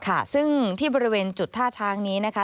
ค่ะซึ่งที่บริเวณจุดท่าช้างนี้นะคะ